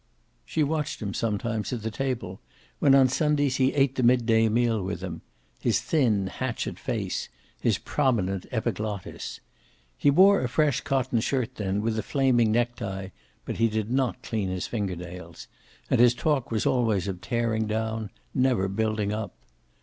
She watched him sometimes, at the table, when on Sundays he ate the mid day meal with them; his thin hatchet face, his prominent epiglottis. He wore a fresh cotton shirt then, with a flaming necktie, but he did not clean his fingernails. And his talk was always of tearing down, never of building up.